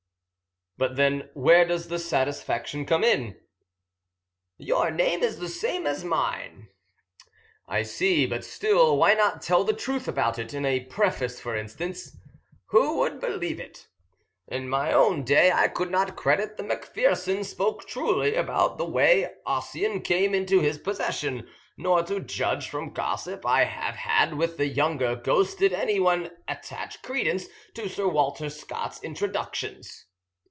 "But, then, where does the satisfaction come in?" "Your name is the same as mine." "I see; but still, why not tell the truth about it? In a preface, for instance." "Who would believe it? In my own day I could not credit that Macpherson spoke truly about the way Ossian came into his possession, nor to judge from gossip I have had with the younger ghosts did anyone attach credence to Sir Walter Scott's introductions."